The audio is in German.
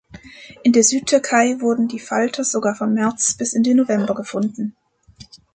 In der Südtürkei wurden die Falter sogar von März bis in den November gefunden.